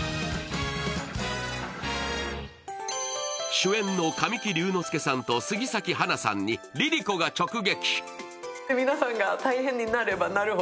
主演の神木隆之介さんと杉咲花さんにＬｉＬｉＣｏが直撃。